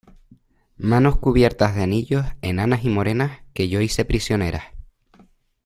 manos cubiertas de anillos, enanas y morenas , que yo hice prisioneras.